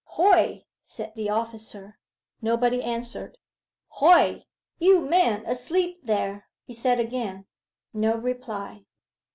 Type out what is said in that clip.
'Hoy!' said the officer. Nobody answered. 'Hoy, you man asleep there!' he said again. No reply.